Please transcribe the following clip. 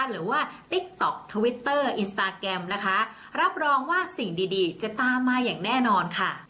ติ๊กต๊อกทวิตเตอร์อินสตาแกรมนะคะรับรองว่าสิ่งดีดีจะตามมาอย่างแน่นอนค่ะ